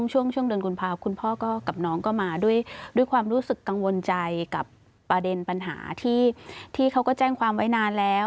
ช่วงเดือนกุมภาพคุณพ่อกับน้องก็มาด้วยความรู้สึกกังวลใจกับประเด็นปัญหาที่เขาก็แจ้งความไว้นานแล้ว